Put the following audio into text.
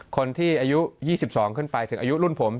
คนที่อายุ๒๒ขึ้นไปถึงอายุรุ่นผม